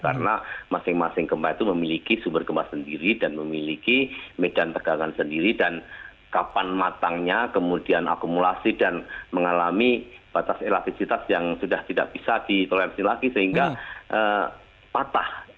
karena masing masing gempa itu memiliki sumber gempa sendiri dan memiliki medan tegangan sendiri dan kapan matangnya kemudian akumulasi dan mengalami batas elektricitas yang sudah tidak bisa ditolongin lagi sehingga patah